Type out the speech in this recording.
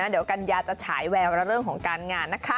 เดี๋ยวกันยาจะฉายแววเรื่องของการงาน